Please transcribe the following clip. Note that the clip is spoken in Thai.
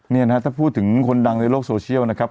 นี่นะฮะถ้าพูดถึงคนดังในโลกโซเชียลนะครับ